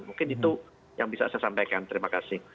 mungkin itu yang bisa saya sampaikan terima kasih